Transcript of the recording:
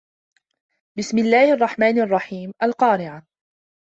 بِسمِ اللَّهِ الرَّحمنِ الرَّحيمِ القارِعَةُ